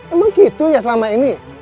emang gitu ya selama ini